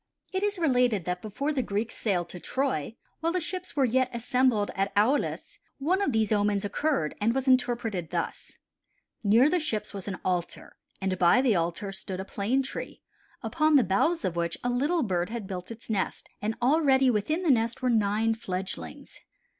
It is related that before the Greeks sailed to Troy, while the ships were yet assembled at Aulis, one of these omens occurred and was interpreted thus: Near the ships was an altar and by the altar stood a plane tree, upon the bough of which a little bird had built its nest, and already within the nest were nine fledglings.